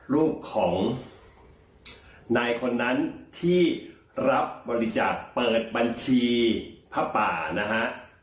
รูปของนายคนนั้นที่รับบริจาคเปิดบัญชีผ้าป่านะฮะ